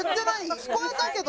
聞こえたけど。